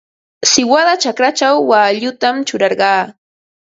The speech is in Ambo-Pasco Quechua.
Siwada chakrachaw waallutam churarqaa.